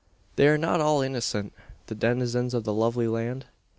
They are not all innocent, the denizens of this lovely land.